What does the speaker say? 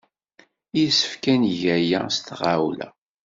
Yessefk ad neg aya s tɣawla.